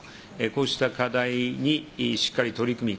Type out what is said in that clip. こうした課題にしっかり取り組み